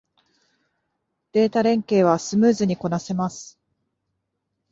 データ連携はスムーズにこなせます